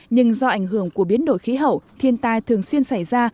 nhưng do ảnh hưởng của biến đổi khí hậu thiên tai thường xuyên xảy ra